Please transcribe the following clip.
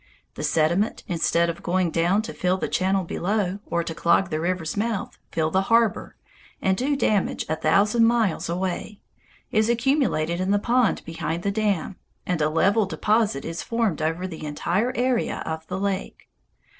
The sediment, instead of going down to fill the channel below, or to clog the river's mouth, fill the harbor, and do damage a thousand miles away, is accumulated in the pond behind the dam, and a level deposit is formed over the entire area of the lake.